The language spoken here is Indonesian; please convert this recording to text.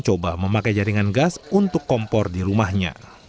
coba memakai jaringan gas untuk kompor di rumahnya